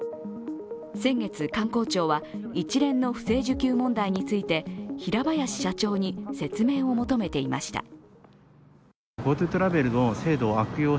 先月、観光庁は一連の不正受給問題について平林社長に説明を求めていました。